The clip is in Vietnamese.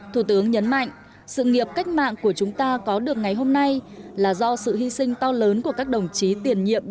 thủ tướng nhấn mạnh sự nghiệp cách mạng của chúng ta có được ngày hôm nay là do sự hy sinh to lớn của các đồng chí tiền nhiệm